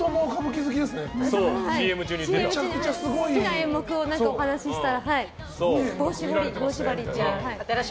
好きな演目をお話ししたら。